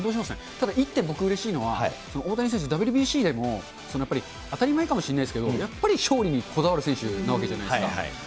ただ、１点、僕、うれしいのは、大谷選手、ＷＢＣでも当たり前かもしれないですけど、やっぱり勝利にこだわる選手なわけじゃないですか。